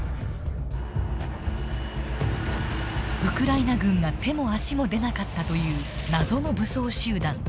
ウクライナ軍が手も足も出なかったという謎の武装集団。